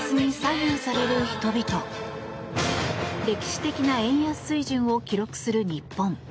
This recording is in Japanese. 歴史的な円安水準を記録する日本。